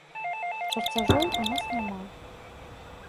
Чарцяжоў у нас няма.